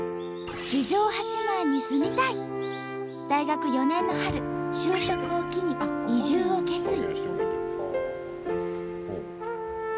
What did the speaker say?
大学４年の春就職を機に移住を決意。